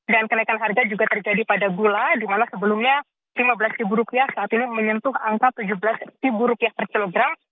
dan kenaikan harga juga terjadi pada gula di mana sebelumnya rp lima belas saat ini menyentuh angka rp tujuh belas per kilogram